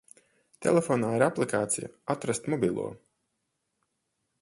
Telefonā ir aplikācija "Atrast mobilo".